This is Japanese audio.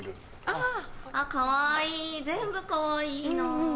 あぁ！あっかわいい全部かわいいな。